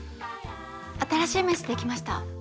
新しい名刺できました。